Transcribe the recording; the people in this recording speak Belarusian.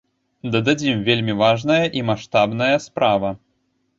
Дададзім, вельмі важная і маштабная справа.